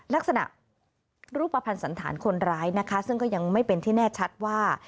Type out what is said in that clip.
ลักษณะรูปภัณฑ์สันธารคนร้ายนะคะซึ่งก็ยังไม่เป็นที่แน่ชัดว่า